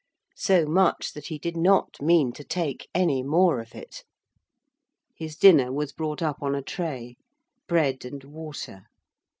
So much that he did not mean to take any more of it. His dinner was brought up on a tray bread and water.